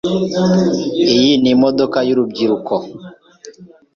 Iyi ni imodoka y'urubyiruko.